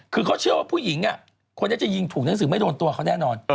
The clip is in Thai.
คือเขาเชื่อว่าผู้หญิงคนนี้จะยิงถูกหนังสือไม่โดนตัวเขาแน่นอน